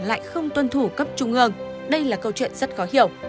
lại không tuân thủ cấp trung ương đây là câu chuyện rất khó hiểu